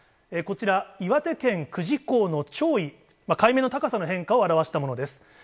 こちら、岩手県久慈港の潮位、海面の高さの変化を表したものです。